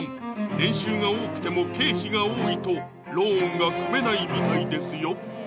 年収が多くても経費が多いとローンが組めないみたいですよ